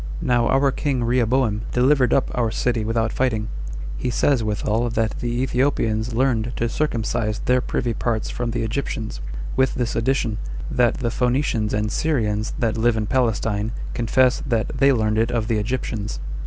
Now our king Rehoboam delivered up our city without fighting. He says withal 27 that the Ethiopians learned to circumcise their privy parts from the Egyptians, with this addition, that the Phoenicians and Syrians that live in Palestine confess that they learned it of the Egyptians.